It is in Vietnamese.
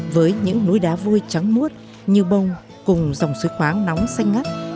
với những núi đá vui trắng muốt như bông cùng dòng suối khoáng nóng xanh ngắt